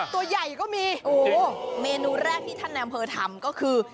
ตัวใหญ่ก็มีโอ้โหเมนูแรกที่ท่านในอำเภอทำก็คือ